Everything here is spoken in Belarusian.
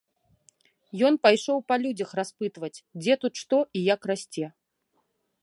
Ён пайшоў па людзях распытваць, дзе тут што і як расце.